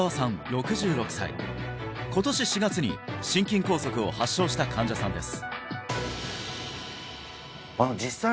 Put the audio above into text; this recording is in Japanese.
６６歳今年４月に心筋梗塞を発症した患者さんです